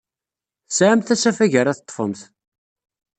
Tesɛamt asafag ara teḍḍfemt.